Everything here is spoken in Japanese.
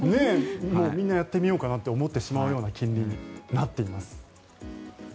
みんなやってみようかなって思ってしまうような金利になっています。